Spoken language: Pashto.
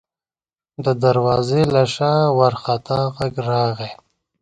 د دروازې له شا وارخطا غږ راغی: